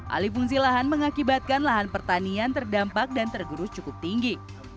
alih fungsi lahan mengakibatkan lahan pertanian terdampak dan tergerus cukup tinggi